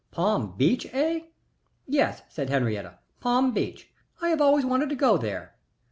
"Palm Beach, eh?" "Yes," said Henriette. "Palm Beach. I have always wanted to go there."